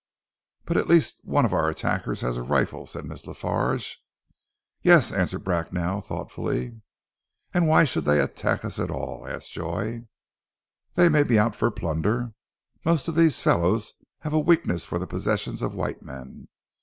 "But at least one of our attackers has a rifle," said Miss La Farge. "Yes," answered Bracknell thoughtfully. "And why should they attack us at all?" asked Joy. "They may be out for plunder. Most of these fellows have a weakness for the possessions of white men.